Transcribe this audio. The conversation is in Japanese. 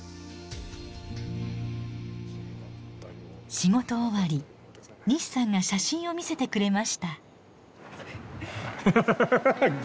仕事終わり西さんが写真を見せてくれました。